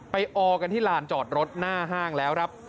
ออกันที่ลานจอดรถหน้าห้างแล้วครับ